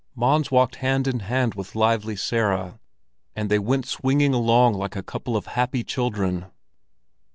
Mons walked hand in hand with Lively Sara, and they went swinging along like a couple of happy children.